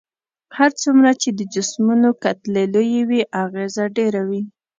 هر څومره چې د جسمونو کتلې لويې وي اغیزه ډیره وي.